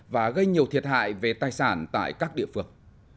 và gây nhiều thiệt hại về tài sản tại các địa phương